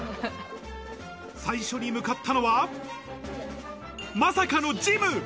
最初に向かったのは、まさかのジム。